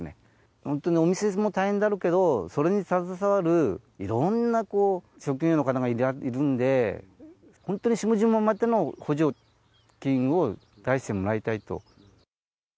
本当にお店も大変だろうけど、それに携わるいろんな職業の方がいるんで、本当に下々までの補助金を出してもらいたいと。